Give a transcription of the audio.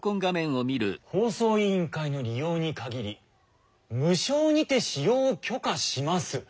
「放送委員会の利用に限り無償にて使用を許可します」。